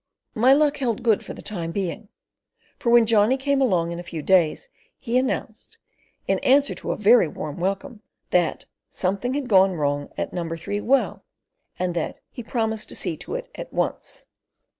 My luck "held good" for the time being; for when Johnny came along in a few days he announced, in answer to a very warm welcome, that "something had gone wrong at No. 3 Well" and that "he'd promised to see to it at once."